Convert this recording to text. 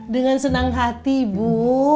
dengan senang hati bu